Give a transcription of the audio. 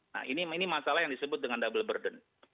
nah ini masalah yang disebut dengan double burden